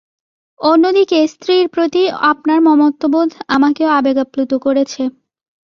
অন্যদিকে, স্ত্রীর প্রতি আপনার মমত্ববোধ, আমাকেও আবেগাপ্লুত করেছে।